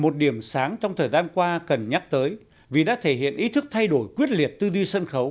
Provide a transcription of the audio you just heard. một điểm sáng trong thời gian qua cần nhắc tới vì đã thể hiện ý thức thay đổi quyết liệt tư duy sân khấu